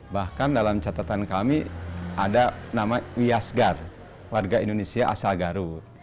bahkan dalam catatan kami ada nama wiasgar warga indonesia asal garut